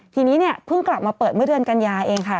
ทีนี้เนี่ยเพิ่งกลับมาเปิดเมื่อเดือนกัญญาเองค่ะ